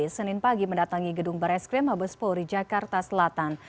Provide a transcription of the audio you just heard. senin pagi mendatangi gedung beres krim habespori jakarta selatan